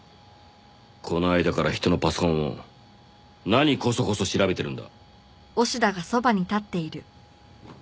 この間から人のパソコンを何こそこそ調べてるんだ？